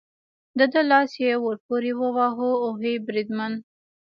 د ده لاس یې ور پورې وواهه، اوهې، بریدمن.